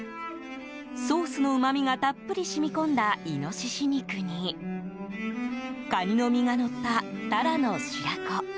ソースのうまみがたっぷり染み込んだイノシシ肉にカニの身がのったタラの白子。